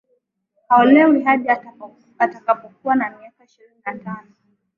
haolewi hadi atakapokuwa na miaka ishirini na tano